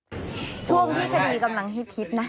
วิธีช่วงที่คดีกำลังฮิทธิศนะ